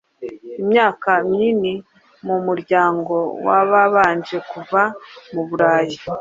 imyaka myinhi mumuryango wa Babanje kuva mu Burayi